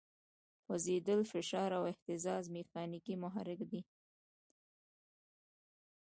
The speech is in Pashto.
خوځېدل، فشار او اهتزاز میخانیکي محرک دی.